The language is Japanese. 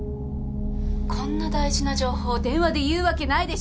こんな大事な情報電話で言うわけないでしょうが。